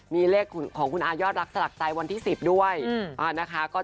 มีเลขของคุณอายอดรักสลักใจวันที่๑๐ด้วยนะคะ